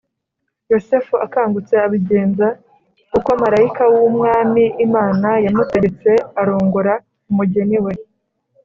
Yosefu akangutse abigenza uko marayika w’Umwami Imana yamutegetse, arongora umugeni we.